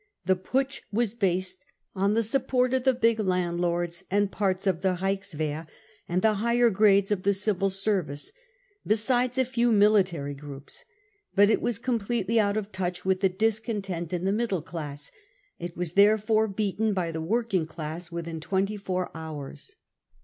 The putsch was based on the support of the big landlords and parts of the Reichswehr and the higher grades of the civil service, besides a few military groups ; but it was * completely out of touch with the discontent in the middle, class. It was therefore beaten by the working class within twenty four hours.